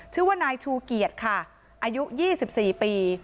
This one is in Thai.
ชื่อว่านายชูเกียรตค่ะอายุยี่สิบสี่ปี